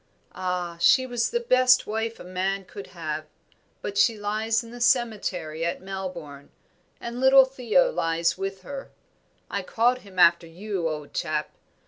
Ah, she was the best wife a man could have, but she lies in the cemetery at Melbourne, and little Theo lies with her I called him after you, old chap.